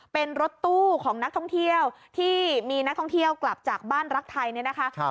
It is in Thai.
เป็นรถตู้ของนักท่องเที่ยวที่มีนักท่องเที่ยวกลับจากบ้านรักไทยเนี่ยนะคะ